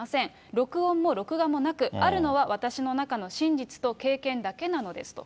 録音も録画もなく、あるのは私の中の真実と経験だけなのですと。